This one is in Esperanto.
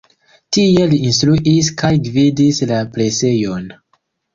Tie li instruis kaj gvidis la presejon.